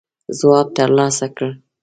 ځواب تر لاسه کړ.